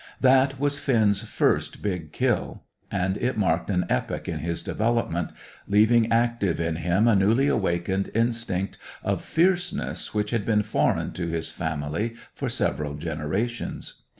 That was Finn's first big kill, and it marked an epoch in his development, leaving active in him a newly wakened instinct of fierceness which had been foreign to his family for several generations.